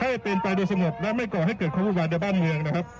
ให้เป็นไปโดยสงบและไม่ก่อให้เกิดความวุ่นวายในบ้านเมืองนะครับ